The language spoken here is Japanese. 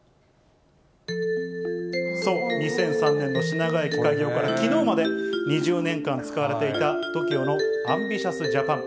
そう、２００３年の品川駅開業からきのうまで２０年間使われていた、ＴＯＫＩＯのＡＭＢＩＴＩＯＵＳＪＡＰＡＮ！